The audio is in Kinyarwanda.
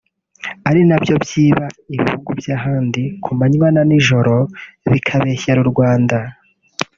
ari nabyo byiba ibihugu by’ahandi ku manywa na n’ijoro bikabeshyera u Rwanda